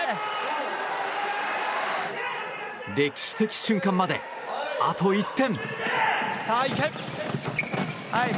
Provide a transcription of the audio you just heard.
歴史的瞬間まであと１点。